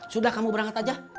sudah kamu berangkat aja